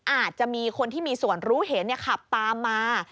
อาจจะมีคนที่มีส่วนรู้เห็นขับตามมา